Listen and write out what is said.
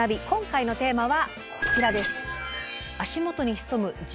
今回のテーマはこちらです。